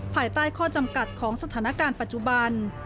ภายใต้ข้อจำกัดของสถานการณ์ปัจจุบัน